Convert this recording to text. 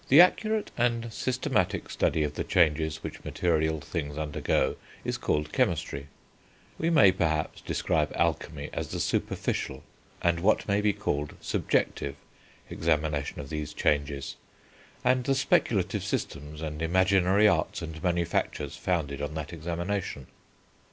The accurate and systematic study of the changes which material things undergo is called chemistry; we may, perhaps, describe alchemy as the superficial, and what may be called subjective, examination of these changes, and the speculative systems, and imaginary arts and manufactures, founded on that examination.